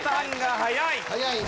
早いね。